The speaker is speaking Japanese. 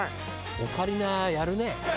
オカリナやるね！